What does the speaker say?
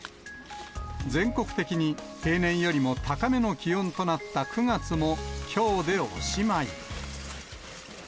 全国的に平年よりも高めの気温となった９月も、きょうでおしまい。